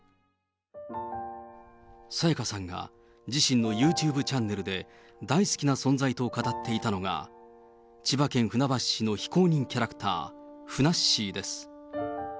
沙也加さんが自身のユーチューブチャンネルで、大好きな存在と語っていたのが、千葉県船橋市の非公認キャラクター、ふなっしーです。